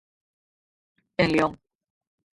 En León.